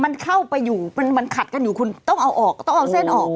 มันเข้าไปอยู่มันขัดกันอยู่คุณต้องเอาออกต้องเอาเส้นออก